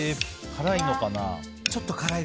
辛いのかな？